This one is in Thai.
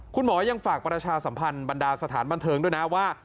คุณหมอยังฝากประชาสัมพันธ์บรรดาสถานบันเทิงด้วยนะว่า